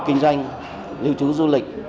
về kinh doanh lưu trú du lịch